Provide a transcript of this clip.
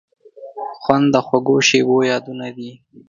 خوند د خوږو شیبو یادونه دي.